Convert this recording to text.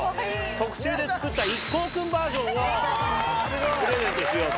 特注で作ったＩＫＫＯ君バージョンをプレゼントしようと。